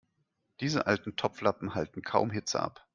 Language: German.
Diese alten Topflappen halten kaum Hitze ab.